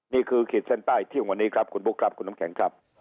ขีดเส้นใต้เที่ยงวันนี้ครับคุณบุ๊คครับคุณน้ำแข็งครับ